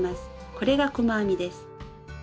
これが細編みです。